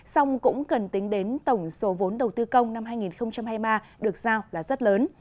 xong cũng cần tính đến tổng số vốn đầu tư công năm hai nghìn hai mươi ba được giao là rất lớn